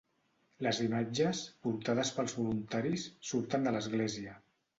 Les imatges, portades pels voluntaris, surten de l'església.